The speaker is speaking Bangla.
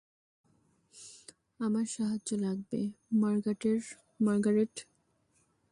আমার সাহায্য লাগবে, মার্গারেট।